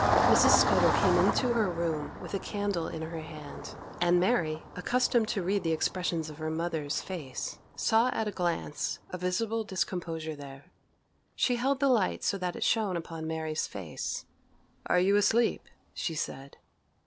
Mrs. Scudder came into her room with a candle in her hand, and Mary, accustomed to read the expressions of her mother's face, saw at a glance a visible discomposure there. She held the light so that it shone upon Mary's face. 'Are you asleep?' she said.